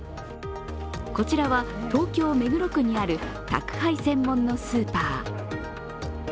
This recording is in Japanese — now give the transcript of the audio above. こちらは東京・目黒区にある宅配専門のスーパー。